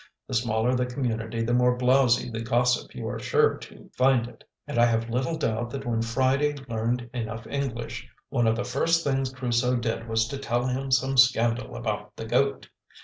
The smaller the community the more blowzy with gossip you are sure to find it; and I have little doubt that when Friday learned enough English, one of the first things Crusoe did was to tell him some scandal about the goat.